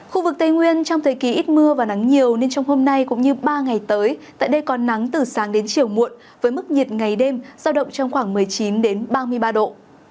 khu vực tây nguyên trong thời kỳ ít mưa và nắng nhiều nên trong hôm nay cũng như ba ngày tới tại đây có nắng từ sáng đến chiều muộn với mức nhiệt ngày đêm giao động trong khoảng một mươi chín ba mươi ba độ